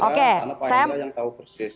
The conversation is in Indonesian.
karena pak hendra yang tahu persis